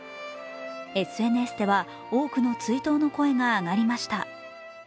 ＳＮＳでは多くの追悼の声が上がりました。